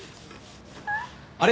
あれ？